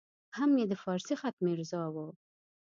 هم یې د فارسي خط میرزا وو.